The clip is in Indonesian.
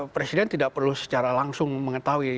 presiden tidak perlu secara langsung mengetahui